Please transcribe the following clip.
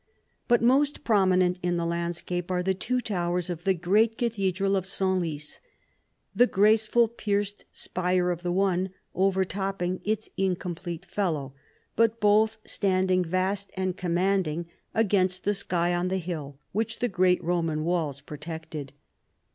But most prominent in the landscape are the two towers of the great cathedral of Senlis, the grace ful pierced spire of the one over topping its incomplete fellow, but both standing vast and commanding against the sky on the hill which the great Eoman walls pro tected.